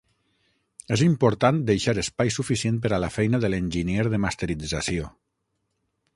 És important deixar espai suficient per a la feina de l'enginyer de masterització.